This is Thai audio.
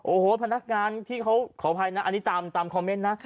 โอ้โหพนักงานที่เขาขออภัยนะอันนี้ตามคอมเมนต์นะ